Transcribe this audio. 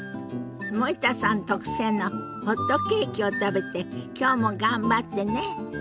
森田さん特製のホットケーキを食べてきょうも頑張ってね。